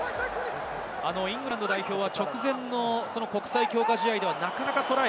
イングランド代表は直前の国際強化試合ではなかなかトライ。